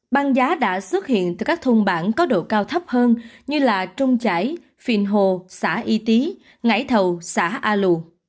bàn giá đã xuất hiện từ các thôn bản có độ cao thấp hơn như trung chải phịnh hồ xã y tý ngãi thầu xã a lù